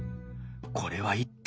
これは一体？